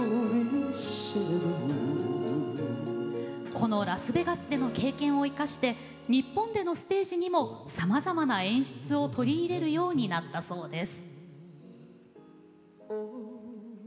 このラスベガスでの経験を生かして日本でのステージにもさまざまな演出を取り入れるようになったそうです。